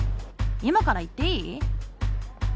今から行っていい？」。